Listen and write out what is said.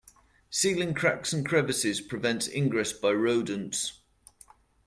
Sealing cracks and crevices prevents ingress by rodents.